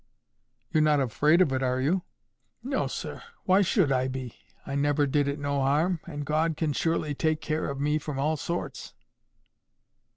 "You're not afraid of it, are you?" "No, sir. Why should I be? I never did it no harm. And God can surely take care of me from all sorts."